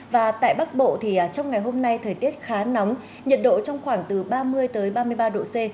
và tại bắc bộ thì trong ngày hôm nay thời tiết khá nóng nhiệt độ trong khoảng từ ba mươi ba mươi ba độ c